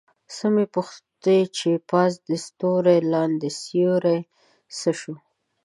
څه مې پوښتې چې پاس دې ستوری لاندې سیوری څه شو؟